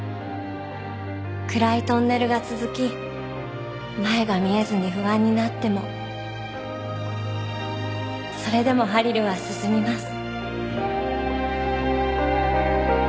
「くらいトンネルがつづきまえがみえずにふあんになってもそれでもハリルはすすみます」